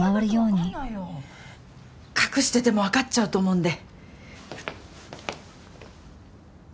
隠しててもわかっちゃうと思うんで。